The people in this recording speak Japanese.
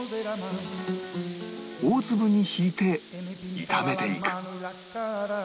大粒にひいて炒めていく